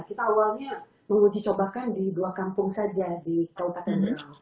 kita awalnya menguji cobakan di dua kampung saja di kabupaten